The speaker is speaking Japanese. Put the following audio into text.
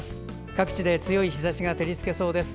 各地に強い日ざしが照りつけそうです。